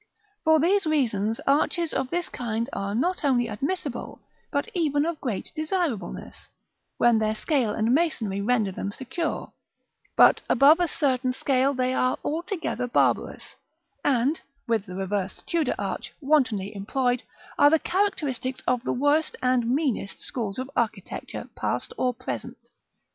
For these reasons arches of this kind are not only admissible, but even of great desirableness, when their scale and masonry render them secure, but above a certain scale they are altogether barbarous; and, with the reversed Tudor arch, wantonly employed, are the characteristics of the worst and meanest schools of architecture, past or present.